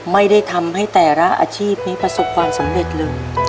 ไม่ได้ทำให้แต่ละอาชีพนี้ประสบความสำเร็จเลย